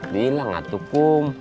bilang atuh kum